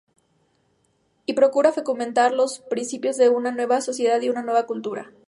Y procura fundamentar los principios de una nueva sociedad y una nueva cultura.